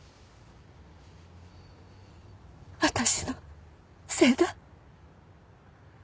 私のせいだ。